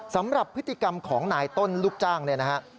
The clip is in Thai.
สำหรับพฤติกรรมของนายต้นลูกจ้างเนี่ยนะฮะ